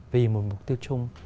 vì một mục tiêu chung